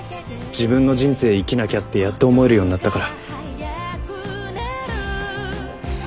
自分の人生生きなきゃってやっと思えるようになったから。